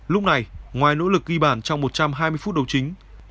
lúc này ngoài nỗ lực ghi bản trong một trăm hai mươi phút đầu chính